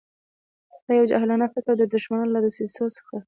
دا یو جاهلانه فکر او د دښمنانو له دسیسو څخه.